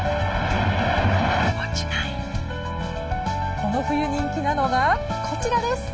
この冬、人気なのがこちらです。